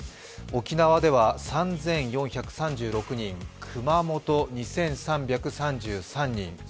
沖縄では３４３６人、熊本２３３３人。